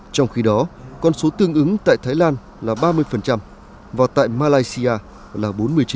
trong khi đó con số tương ứng tại thái lan là ba mươi và tại malaysia là bốn mươi chín